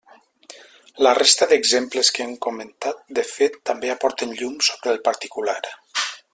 La resta d'exemples que hem comentat, de fet, també aporten llum sobre el particular.